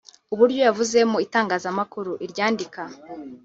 uburyo yavuzwe mu itangazamakuru(iryandika